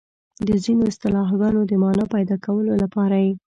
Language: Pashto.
د ځینو اصطلاحګانو د مانا پيدا کولو لپاره یې